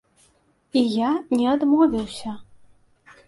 І я не адмовіўся!